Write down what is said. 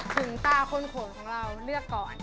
ถึงตาคนโขนของเราเลือกก่อน